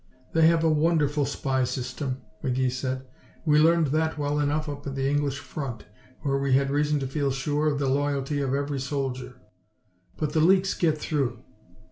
"They have a wonderful spy system," McGee said. "We learned that well enough up on the English front, where we had reason to feel sure of the loyalty of every soldier. But the leaks get through.